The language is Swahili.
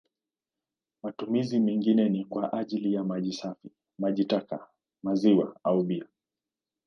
Matumizi mengine ni kwa ajili ya maji safi, maji taka, maziwa au bia.